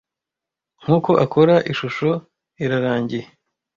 Nkuko akora. Ishusho irarangiye,